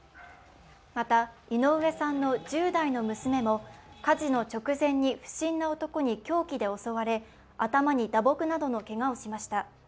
また、井上さんの１０代の娘も火事の直前に不審な男に凶器で襲われ頭に打撲などのけがをしました。